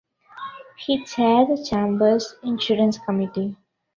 He chaired the chamber's Insurance Committee.